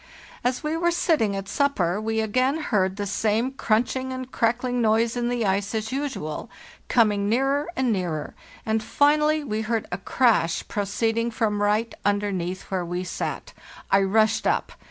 As we were sitting at supper we again heard the same crunching and crackling noise in the ice as usual, coming nearer and nearer, and finally we heard a crash proceeding from right underneath where we sat. I rushed up.